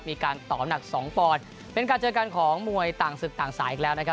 มีการตอบหนักสองปอนด์เป็นการเจอกันของมวยต่างศึกต่างสายอีกแล้วนะครับ